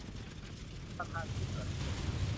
ประธานที่ประชุม